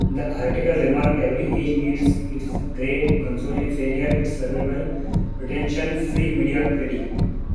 The article remarked, every age needs its great, consoling failure, its lovable, pretension-free mediocrity.